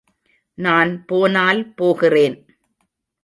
நான் போனால் போகிறேன்.